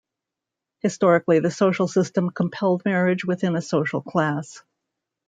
Historically the social system compelled marriage within a social class.